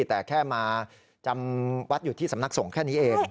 แต่แค่มาจำวัดอยู่ที่สำนักสงฆ์แค่นี้เอง